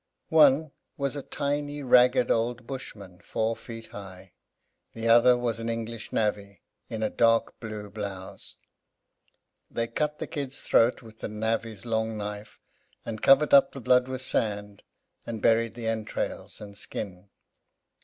One was a tiny, ragged, old bushman, four feet high; the other was an English navvy, in a dark blue blouse. They cut the kid's throat with the navvy's long knife, and covered up the blood with sand, and buried the entrails and skin.